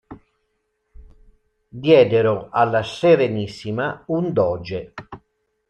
Diedero alla Serenissima un doge.